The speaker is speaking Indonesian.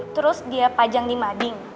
terus dia pajang di mading